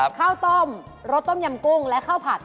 ข้าวต้มรสต้มยำกุ้งและข้าวผัด